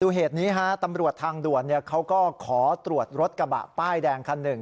เหตุนี้ฮะตำรวจทางด่วนเขาก็ขอตรวจรถกระบะป้ายแดงคันหนึ่ง